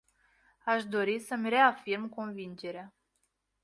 Aș dori să îmi reafirm convingerea.